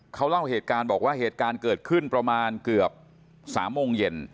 เขาเล่าเหตุการณ์บอกว่าเหตุการณ์เกิดขึ้นประมาณเกือบ๓โมงเย็น